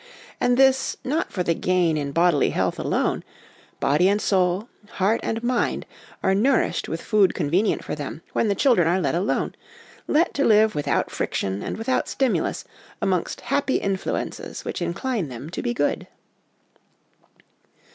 And this, not for the gain in bodily health alone body and soul, heart and mind, are nourished with food convenient for them when the children are let alone, let to live without friction and without stimulus amongst happy influences which incline them to be good.